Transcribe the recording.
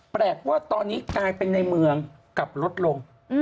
แปลกว่าตอนนี้กลายเป็นในเมืองกลับลดลง